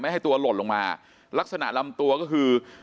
ให้ตัวหล่นลงมาลักษณะลำตัวก็คือ